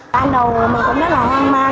ban đầu mình cũng rất là hoang mang